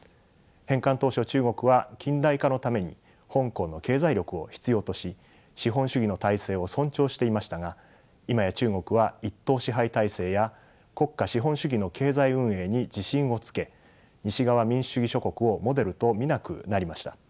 返還当初中国は近代化のために香港の経済力を必要とし資本主義の体制を尊重していましたが今や中国は一党支配体制や国家資本主義の経済運営に自信をつけ西側民主主義諸国をモデルと見なくなりました。